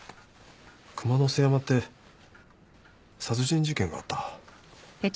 熊之背山って殺人事件があった。